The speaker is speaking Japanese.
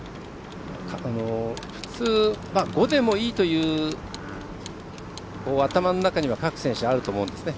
普通、５でもいいという頭の中に各選手あると思うんですね。